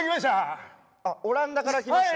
オランダから来ました。